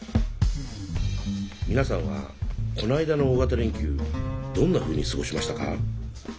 皆さんはこの間の大型連休どんなふうに過ごしましたか？